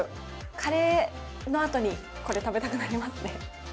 カレーのあとに、これ食べたくなりますね。